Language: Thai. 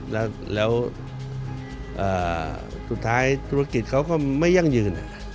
แล้วสุดท้ายธุรกิจเขาก็ไม่ยั่งยืน